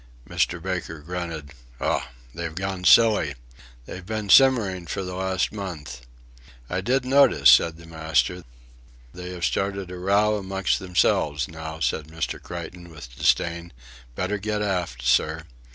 Mr. Baker grunted: "Ough! They're gone silly. They've been simmering for the last month." "I did notice," said the master. "They have started a row amongst themselves now," said Mr. Creighton with disdain, "better get aft, sir.